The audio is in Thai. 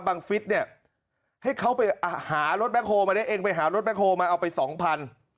ฟิศเนี่ยให้เขาไปหารถแบ็คโฮลมาได้เองไปหารถแคคโฮลมาเอาไปสองพัน